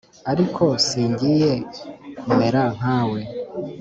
ariko singiye kumera nka we,